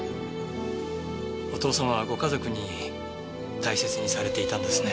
お父様はご家族に大切にされていたんですね。